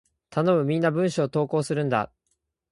頼む！みんな文章を投稿するんだ！